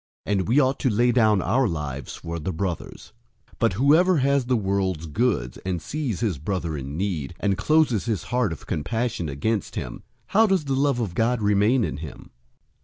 And we ought to lay down our lives for the brothers. 003:017 But whoever has the world's goods, and sees his brother in need, and closes his heart of compassion against him, how does the love of God remain in him?